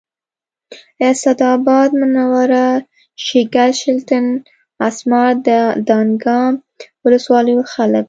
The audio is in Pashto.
اسداباد منوره شیګل شلتن اسمار دانګام ولسوالیو خلک